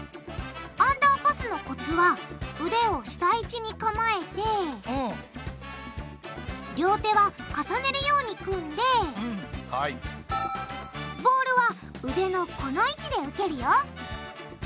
アンダーパスのコツは腕を下位置に構えて両手は重ねるように組んでボールは腕のこの位置で受けるよ。